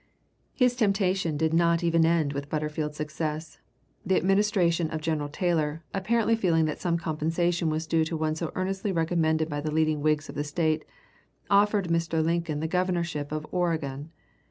His temptation did not end even with Butterfield's success. The Administration of General Taylor, apparently feeling that some compensation was due to one so earnestly recommended by the leading Whigs of the State, offered Mr. Lincoln the governorship of Oregon.